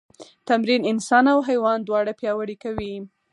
تمرین انسان او حیوان دواړه پیاوړي کوي.